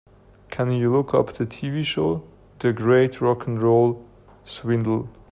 Can you look up the TV show, The Great Rock 'n' Roll Swindle?